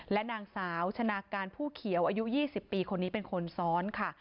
และนางสาวชนะการผู้เขียวอายุ๒๐ปีคนนี้เป็นคนซ้อนค่ะ